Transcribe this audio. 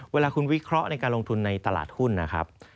เวลาคุณวิเคราะห์ในการลงทุนในตลาดหุ้นนะครับ